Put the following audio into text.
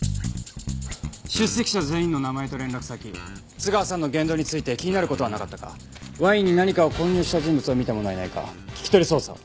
出席者全員の名前と連絡先津川さんの言動について気になる事はなかったかワインに何かを混入した人物を見た者はいないか聞き取り捜査を。